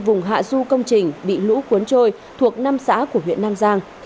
vùng hạ du công trình bị lũ cuốn trôi thuộc năm xã của huyện nam giang